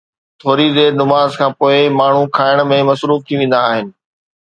ٿوري دير نماز کان پوءِ ماڻهو کائڻ ۾ مصروف ٿي ويندا آهن.